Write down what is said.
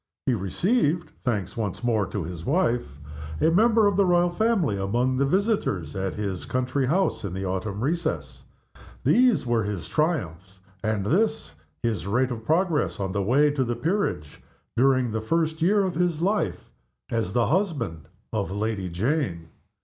He received (thanks once more to his wife) a member of the Royal family among the visitors at his country house in the autumn recess. These were his triumphs, and this his rate of progress on the way to the peerage, during the first year of his life as the husband of Lady Jane.